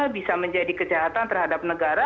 bisa menjadi kejahatan terhadap negara